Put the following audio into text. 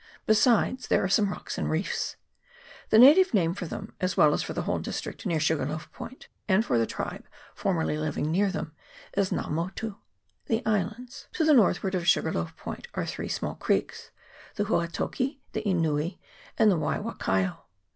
Besides, there are some rocks and reefs. The native name for them, as well as for the whole district near Sugarloaf Point, and for the tribe formerly living near them, is Nga Motu the Islands. To the northward of Sugarloaf Point are three small creeks the Huatoki, the Enui, and the Wai wakaio.